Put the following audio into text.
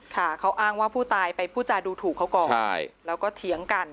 ค่ะเขาอ้างว่าผู้ตายไปพูดจาดูถูกเขาก่อนแล้วก็เถียงกัน